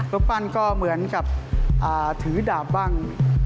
รูปปั้นก็เหมือนกับถือดาบบ้าง